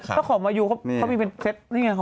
ถ้าขอมัยูเขาให้เป็นของมัยู